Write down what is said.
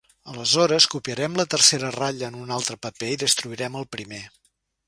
Aleshores, copiarem la tercera ratlla en un altre paper i destruirem el primer.